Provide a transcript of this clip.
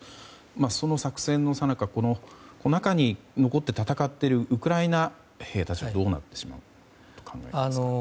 その作戦のさなか、中に残って戦っているウクライナ兵たちはどうなってしまうんでしょうか。